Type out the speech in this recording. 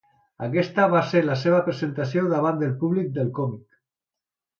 Aquesta va ser la seva presentació davant del públic del còmic.